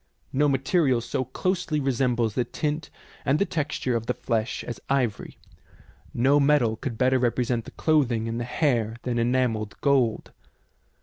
No material so closely resembles the tint and the texture of the flesh as ivory ; no metal could better represent the clothing and the hair than enamelled gold.